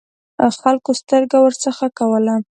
خلکو سترګه ورڅخه کوله.